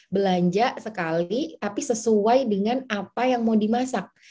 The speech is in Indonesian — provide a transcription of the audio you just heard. belanja sekali tapi sesuai dengan apa yang mau dimasak